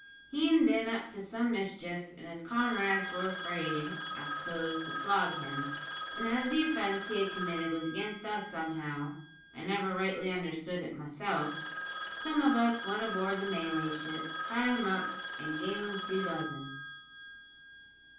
He'n bin up to some mischief, an' his comrades were afraid, I s'pose, to flog him; and as the offence he had committed was against us somehow (I never rightly understood it myself), some of us went aboard the Malay ship, tied him up, an' gave him two dozen.